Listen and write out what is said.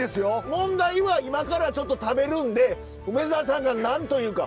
問題は今からちょっと食べるんで梅沢さんが何と言うか。